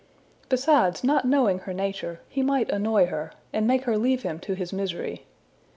Besides, not knowing her nature, he might annoy her, and make her leave him to his misery.